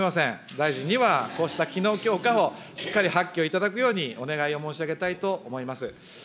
大臣にはこうした機能強化をしっかり発揮をいただくように、お願いを申し上げたいと思います。